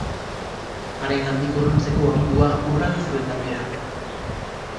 Harengandik urruntzeko agindua urratu zuen, gainera.